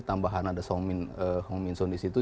tambahan ada homingson disitu